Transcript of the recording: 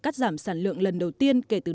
cắt giảm sản lượng lần đầu tiên kể từ